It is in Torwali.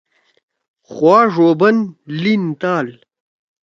خوا ڙُوبن لیِن تال